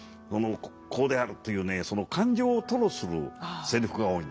「こうである」というね感情を吐露する台詞が多いんですね。